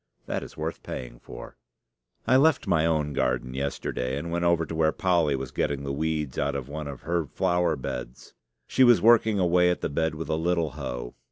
That is worth paying for. I left my own garden yesterday and went over to where Polly was getting the weeds out of one of her flower beds. She was working away at the bed with a little hoe.